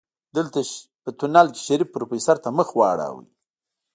دلته په تونل کې شريف پروفيسر ته مخ واړوه.